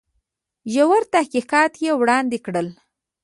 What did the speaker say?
ژور تحقیقات یې وړاندي کړل.